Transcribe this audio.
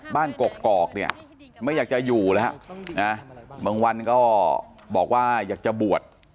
กกอกเนี่ยไม่อยากจะอยู่แล้วนะบางวันก็บอกว่าอยากจะบวช